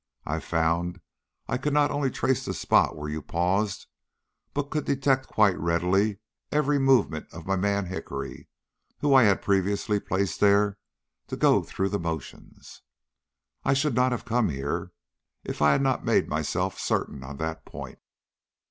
I found I could not only trace the spot where you paused, but could detect quite readily every movement of my man Hickory, whom I had previously placed there to go through the motions. I should not have come here if I had not made myself certain on that point."